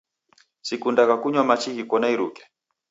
Sikundagha kunywa machi ghiko na iruke.